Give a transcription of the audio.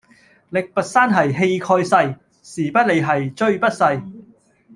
力拔山兮氣蓋世，時不利兮騅不逝